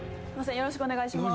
よろしくお願いします